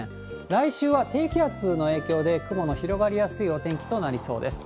来週は低気圧の影響で雲が広がりやすいお天気となりそうです。